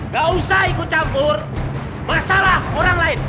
gak usah ikut campur masalah orang lain